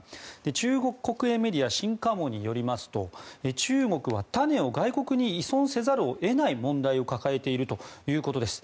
中国国営メディア新華網によりますと中国は種を外国に依存せざるを得ない問題を抱えているということです。